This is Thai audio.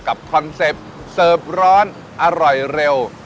กับคอนเซปเซิร์ฟร้อนอร่อยเร็ว